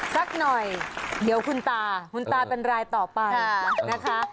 สักหน่อยเดี๋ยวคุณตาคุณตาเป็นรายต่อไปนะคะ